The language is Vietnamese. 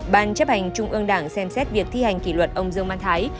ban chấp hành trung ương đảng xem xét việc thi hành kỷ luật ông dương văn thái